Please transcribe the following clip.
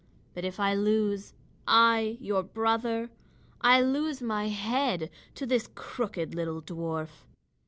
But if I lose, I, your brother, I lose my head to this crooked little dwarf."